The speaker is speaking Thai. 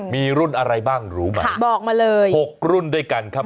มีรุ่นอะไรบ้างรู้ไหมบอกมาเลยหกรุ่นด้วยกันครับ